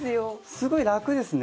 すごい楽ですね。